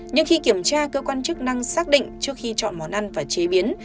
nhưng khi kiểm tra cơ quan chức năng xác định trước khi chọn món ăn và chế biến